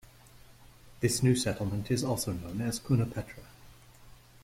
This new settlement is also known as Kounopetra.